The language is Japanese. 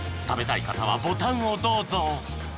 食べたい方はボタンをどうぞ］